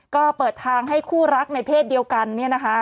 ก็เปิดทางให้คู่รักในเพศเดียวกันเนี่ยนะคะ